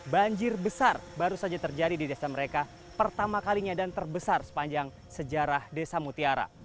banjir besar baru saja terjadi di desa mereka pertama kalinya dan terbesar sepanjang sejarah desa mutiara